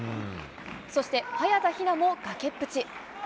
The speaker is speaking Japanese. そして早田ひなも崖っぷち。